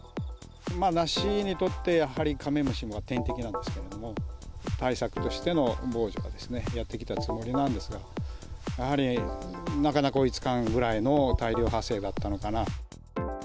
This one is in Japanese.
ナシにとってやはりカメムシは天敵なんですけども、対策としての防除はやってきたつもりなんですが、やはり、なかなか追いつかんぐらいの大量発生だったのかなと。